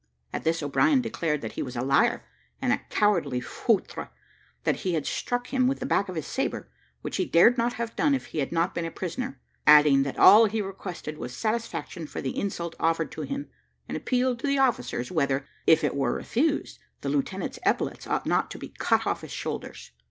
At this O'Brien declared that he was a liar, and a cowardly foutre, that he had struck him with the back of his sabre, which he dared not have done if he had not been a prisoner; adding, that all he requested was satisfaction for the insult offered to him, and appealed to the officers whether, if it were refused, the lieutenant's epaulets ought not to be cut off his shoulders.